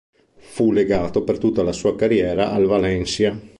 Fu legato per tutta la sua carriera al Valencia.